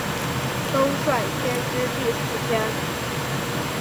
兜率天之第四天。